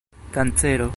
kancero